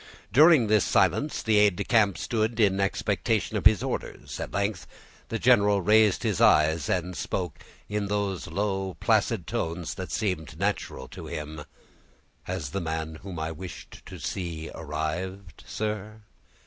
During this silence, the aid de camp stood in expectation of his orders. At length the general raised his eyes, and spoke in those low, placid tones that seemed natural to him. "Has the man whom I wished to see arrived, sir?"